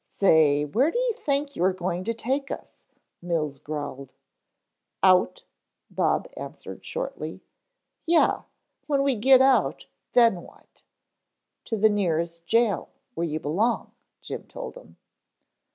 "Say, where do you think you are going to take us?" Mills growled. "Out," Bob answered shortly. "Yeh, when we get out, then what?" "To the nearest jail, where you belong," Jim told him.